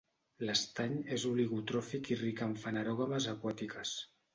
L'estany és oligotròfic i ric amb fanerògames aquàtiques.